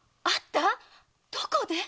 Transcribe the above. どこで⁉